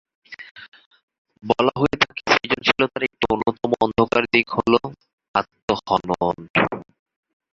বলা হয়ে থাকে, সৃজনশীলতার একটি অন্যতম অন্ধকার দিক হলো আত্মহনন।